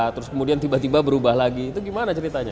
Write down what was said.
terus kemudian tiba tiba berubah lagi itu gimana ceritanya